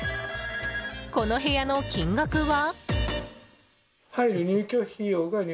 この部屋の金額は？